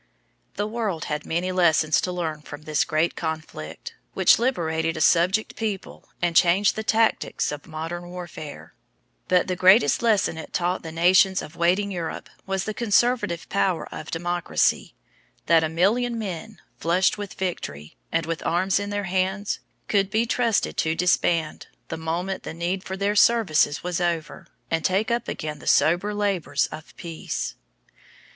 The world had many lessons to learn from this great conflict, which liberated a subject people and changed the tactics of modern warfare; but the greatest lesson it taught the nations of waiting Europe was the conservative power of democracy that a million men, flushed with victory, and with arms in their hands, could be trusted to disband the moment the need for their services was over, and take up again the soberer labors of peace.